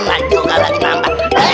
lagi juga lagi mamba